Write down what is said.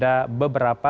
dan juga sesak nafas